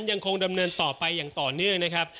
ยังคงดำเนินต่อไปอย่างต่อเนื่องนะครับ